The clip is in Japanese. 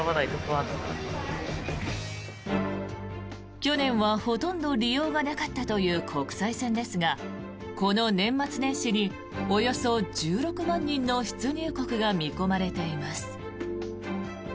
去年はほとんど利用がなかったという国際線ですがこの年末年始におよそ１６万人の出入国が見込まれています。